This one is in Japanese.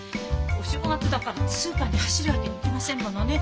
お正月だからスーパーに走るわけにいきませんものね。